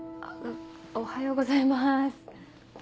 あおはようございます。